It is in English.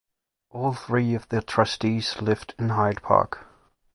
All three of the trustees lived in Hyde Park.